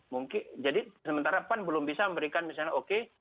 mungkin jadi sementara pan belum bisa memberikan misalnya oke